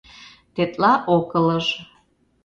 Тетла ок ылыж...